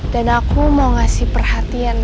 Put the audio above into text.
dan aku mau ngasih perhatian